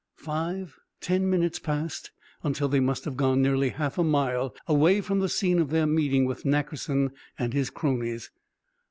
Five, ten minutes passed, until they must have gone nearly half a mile away from the scene of their meeting with Nackerson and his cronies.